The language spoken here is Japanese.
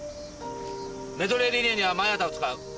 メドレーリレーには前畑を使う。